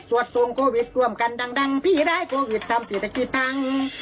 สวดส่งโควิดรวมกันดังพี่ร้ายโควิดทำสิทธิ์กิ๊กพัง